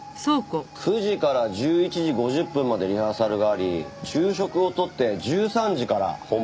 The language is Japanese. ９時から１１時５０分までリハーサルがあり昼食をとって１３時から本番が始まったようです。